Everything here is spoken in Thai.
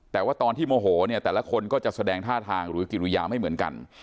แต่ว่าตอนที่โมโหเนี่ยแต่ละคนก็จะแสดงท่าทางหรือกิริยาไม่เหมือนกัน